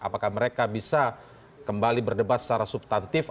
apakah mereka bisa kembali berdebat secara subtantif